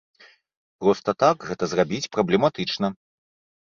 Проста так гэта зрабіць праблематычна.